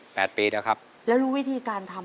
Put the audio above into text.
ขอเชยคุณพ่อสนอกขึ้นมาต่อชีวิตเป็นคนต่อไปครับ